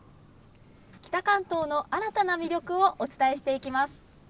北関東の新たな魅力をお伝えしていきます。